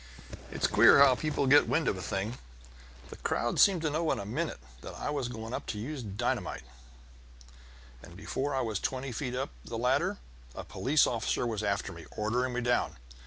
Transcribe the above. It's queer how people get wind of a thing; the crowd seemed to know in a minute that I was going to use dynamite, and before I was twenty feet up the ladder a police officer was after me, ordering me down.